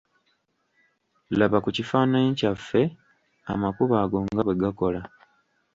Laba ku kifaananyi kyaffe amakubo ago nga bwe gakola.